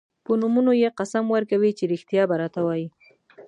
په نومونو یې قسم ورکوي چې رښتیا به راته وايي.